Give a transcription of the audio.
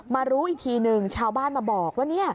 รู้อีกทีหนึ่งชาวบ้านมาบอกว่า